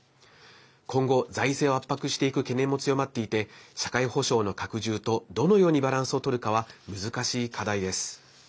今後、財政を圧迫していく懸念も強まっていて社会保障の拡充とどのようにバランスをとるかは難しい課題です。